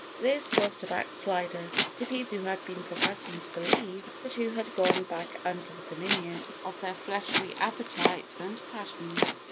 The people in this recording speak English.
This was to backsliders, to people who had been professing to believe, but who had gone back under the dominion of their fleshly appetites and passions.